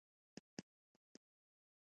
حیوانات ځینې وختونه ځمکه کې سوری کوي.